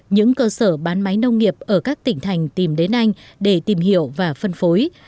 những cơ sở bán máy nông nghiệp ở các tỉnh thành tìm đến anh để tìm hiểu và phân phối